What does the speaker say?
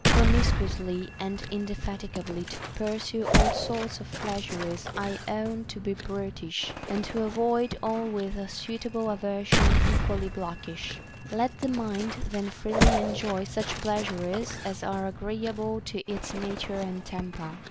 Promiscuously and indefati gably to pursue all sorts of pleasures I own to be brutish, and to avoid all with a suitable aversion equally blockish ; let the mind then freely enjoy such pleasures as are agree able to its nature and temper.